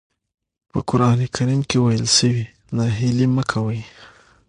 په قرآن کريم کې ويل شوي ناهيلي مه کوئ.